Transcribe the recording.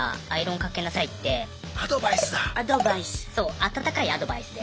温かいアドバイスで。